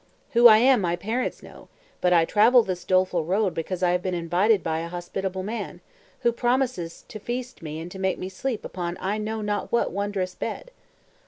"Who I am my parents know; but I travel this doleful road because I have been invited by a hospitable man, who promises to feast me and to make me sleep upon I know not what wondrous bed."